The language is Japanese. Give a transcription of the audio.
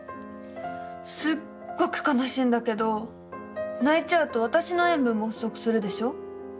すっごく悲しいんだけど泣いちゃうと私の塩分も不足するでしょ。